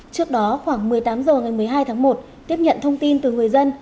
trước đó khoảng một mươi tám h ngày một mươi hai tháng một tiếp nhận thông tin từ người dân